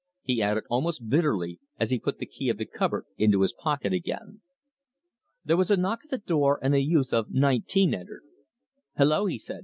he added, almost bitterly, as he put the key of the cupboard into his pocket again. There was a knock at the door, and a youth of about nineteen entered. "Hello!" he said.